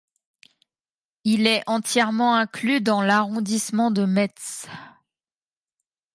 Il est entièrement inclus dans l'arrondissement de Metz.